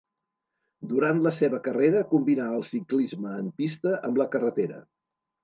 Durant la seva carrera combinà el ciclisme en pista amb la carretera.